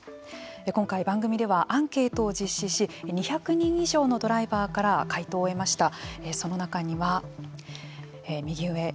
今回番組ではアンケートを実施し２００人以上のドライバーから回答を得ました。